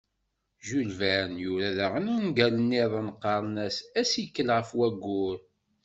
Jules Verne yura daɣen ungal-iḍen qqaren-as "Asikel ɣer wayyur".